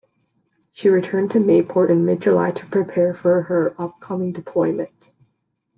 She returned to Mayport in mid-July to prepare for her upcoming deployment.